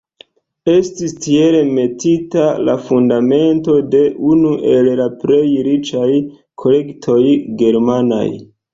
Estis tiel metita la fundamento de unu el la plej riĉaj kolektoj germanaj.